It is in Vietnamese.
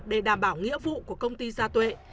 để đảm bảo nghĩa vụ của công ty gia tuệ